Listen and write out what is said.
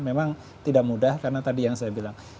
memang tidak mudah karena tadi yang saya bilang